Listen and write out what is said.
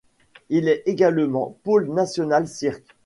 Il est également pôle national cirque.